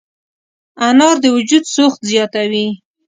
انار د وجود سوخت زیاتوي.